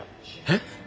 えっ？